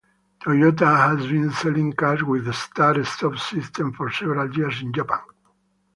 Toyota has been selling cars with start-stop system for several years in Japan.